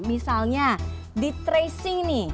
misalnya di tracing nih